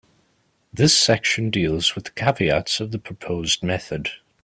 This section deals with the caveats of the proposed method.